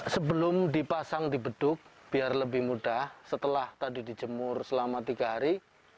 sebelum dipasang di beduk biar lebih mudah setelah tadi dijemur selama tiga hari